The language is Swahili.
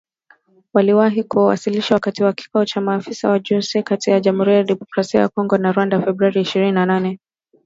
waliwahi kuwasilishwa wakati wa kikao cha maafisa wa ujasusi kati ya Jamuhuri ya Demokrasia ya Kongo na Rwanda Februari ishirini na nane